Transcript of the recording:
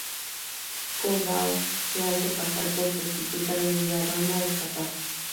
Co Bao se hace pasar por prostituta y ayuda a Rambo a escapar.